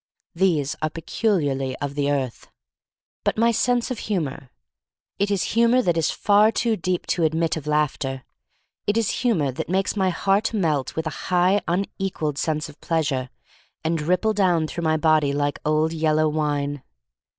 These are peculiarly of the earth. But my sense of humor — It is humor that is far too deep to admit of laughter. It is humor that makes my heart melt with a high, un equaled sense of pleasure and ripple down through my body like old yellow wine.